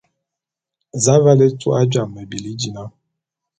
Za aval étua jame me bili dina?